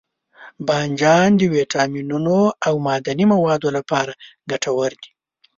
بانجان د ویټامینونو او معدني موادو لپاره ګټور دی.